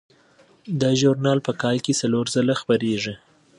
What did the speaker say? دا ژورنال په کال کې څلور ځله خپریږي.